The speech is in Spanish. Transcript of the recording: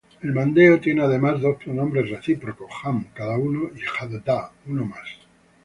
El mandeo tiene además dos pronombres recíprocos, "ham" ‘cada uno’ y "hədādā" ‘uno más’.